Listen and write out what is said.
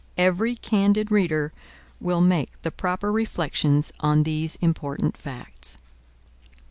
Every candid reader will make the proper reflections on these important facts.